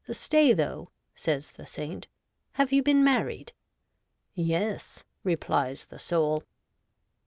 ! Stay, though,' says the saint ;' have you been married ?'' Yes,' replies the soul.